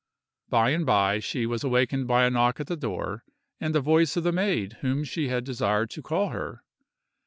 By and by, she was awakened by a knock at the door and the voice of the maid whom she had desired to call her.